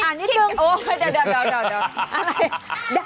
อ้าวอ่านิดนึงโอ้วโด่ง